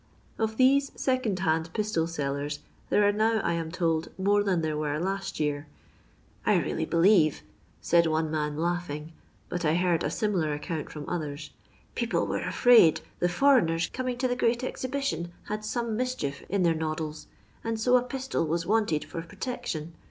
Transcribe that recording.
Of these second hand pistol sellers there are now, I am told, more than there were last year. " I really beUeve," said one man, laughing, but I heard a similar account from others, " people were afraid the foreigners coming to the Great Exhibi tion had some mischief in their noddles, and so a pistol was wanted for protection.